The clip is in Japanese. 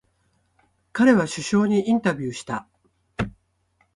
彼は首相にインタビューした。